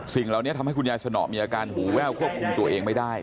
สิ่งเหล่านี้ทำให้คุณยายสนอมีอาการหูแว่วควบคุมตัวเองไม่ได้